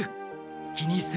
気にするな。